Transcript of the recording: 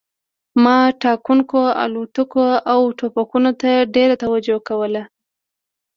ما ټانکونو الوتکو او ټوپکونو ته ډېره توجه کوله